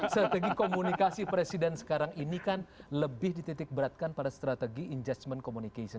strategi komunikasi presiden sekarang ini kan lebih dititik beratkan pada strategi injudgement communication